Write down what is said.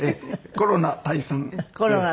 コロナ退散。